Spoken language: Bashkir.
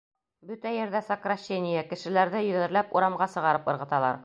Бөтә ерҙә сокращение, кешеләрҙе йөҙәрләп урамға сығарып ырғыталар.